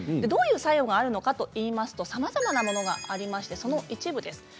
どういう作用があるかといいますとさまざまなものがありまして、その一部です。